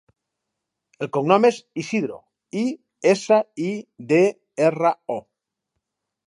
El cognom és Isidro: i, essa, i, de, erra, o.